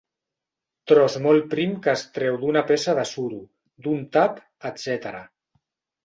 Tros molt prim que es treu d'una peça de suro, d'un tap, etc.